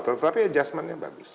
tapi adjustmentnya bagus